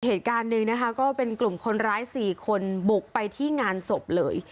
เหตุการณ์หนึ่งนะคะก็เป็นกลุ่มคนร้าย๔คนบุกไปที่งานศพเลย